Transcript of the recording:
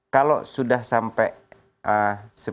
kalau sudah sampai sepuluh berarti sukses dong